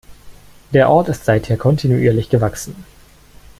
Der Ort ist seither kontinuierlich gewachsen.